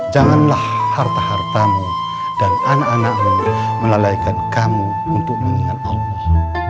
janganlah harta hartamu dan anak anakmu melalaikan kamu untuk mengingat allah